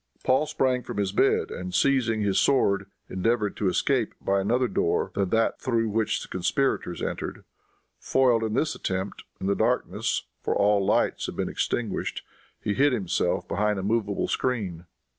Paul sprang from his bed, and seizing his sword, endeavored to escape by another door than that through which the conspirators entered. Foiled in this attempt, in the darkness, for all lights had been extinguished, he hid himself behind a movable screen.